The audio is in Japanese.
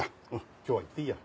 今日は行っていいや。